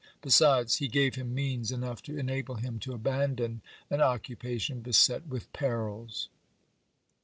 Besides, he gave him means enough to enable him to abandon an occupation beset with perils.